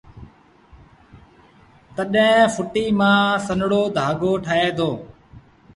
تڏهيݩ ڦئٽيٚ مآݩ سنڙو ڌآڳو ٺهي دو